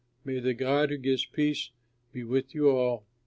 May the God who gives peace be with you all.